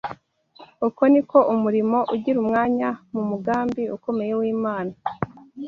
Uko ni ko umurimo ugira umwanya mu mugambi ukomeye w’Imana